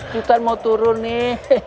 sultan mau turun nih